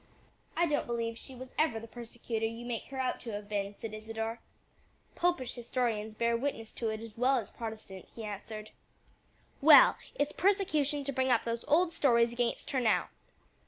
"I don't believe she was ever the persecutor you would make her out to have been," said Isadore. "Popish historians bear witness to it as well as Protestant," he answered. "Well, it's persecution to bring up those old stories against her now."